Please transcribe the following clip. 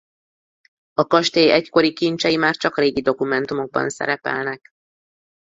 A kastély egykori kincsei már csak régi dokumentumokban szerepelnek.